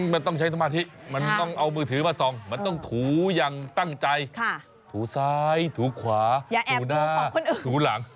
มันต้องใช้สมาธิมันต้องเอามือถือมาส่องมันต้องถูอย่างตั้งใจถูซ้ายถูขวาถูหน้าถูหลัง